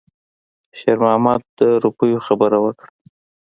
شېرمحمد د روپیو خبره وکړه.